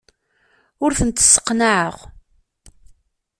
Ur tent-sseqnaɛeɣ.